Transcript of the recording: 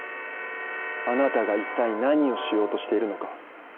あなたが一体何をしようとしているのか。